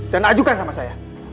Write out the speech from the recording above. dan ajukan sama saya